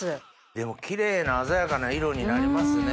でもキレイな鮮やかな色になりますね。